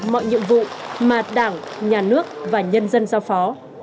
mọi nhiệm vụ mà đảng nhà nước và nhân dân giao phó